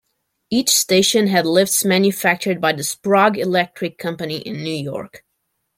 Each station had lifts manufactured by the Sprague Electric Company in New York.